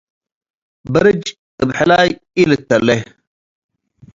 በርጅ እብ ሕላይ ኢልተሌ ።